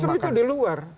ada justru itu di luar